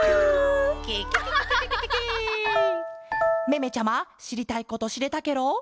めめちゃましりたいことしれたケロ？